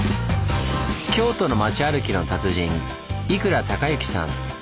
京都の町歩きの達人以倉敬之さん。